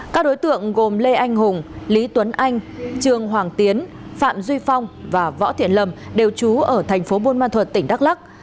các đối tượng gồm lê anh hùng lý tuấn anh trường hoàng tiến phạm duy phong và võ thiện lâm đều trú ở thành phố buôn ma thuật tỉnh đắk lắc